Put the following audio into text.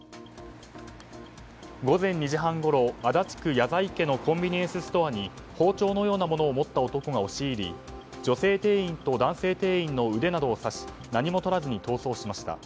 午前２時半ごろ、足立区谷在家のコンビニエンスストアに包丁のようなものを持った男が押し入り女性店員と男性店員の腕などを刺し何も取らずに逃走しました。